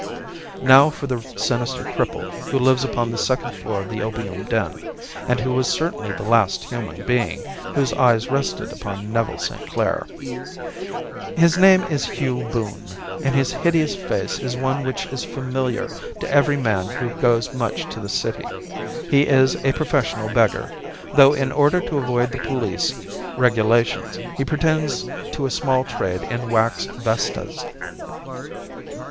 Now for the sinister cripple who lives upon the second floor of the opium den, and who was certainly the last human being whose eyes rested upon Neville St. Clair. His name is Hugh Boone, and his hideous face is one which is familiar to every man who goes much to the City. He is a professional beggar, though in order to avoid the police regulations he pretends to a small trade in wax vestas.